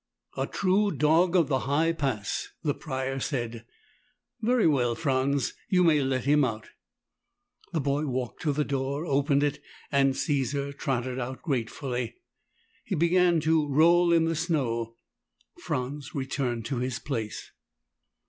"A true dog of the high pass," the Prior said. "Very well, Franz. You may let him out." The boy walked to the door, opened it, and Caesar trotted out gratefully. He began to roll in the snow. Franz returned to his place.